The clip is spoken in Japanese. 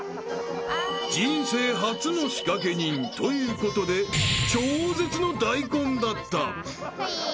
［人生初の仕掛け人ということで超絶の大根だった］